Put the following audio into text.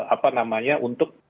apa namanya untuk